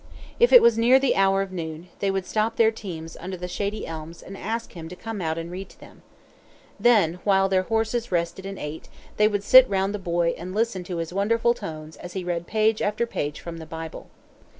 If it was near the hour of noon, they would stop their teams under the shady elms and ask him to come out and read to them. Then, while their horses rested and ate, they would sit round the boy and listen to his wonderful tones as he read page after page from the Bible.